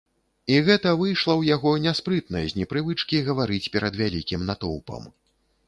І гэта выйшла ў яго няспрытна з непрывычкі гаварыць перад вялікім натоўпам.